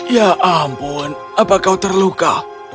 ya ampun apa kau terluka